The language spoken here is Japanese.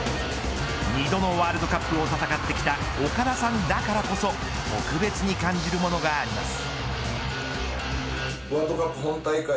２度のワールドカップを戦ってきた、岡田さんだからこそ特別に感じるものがあります。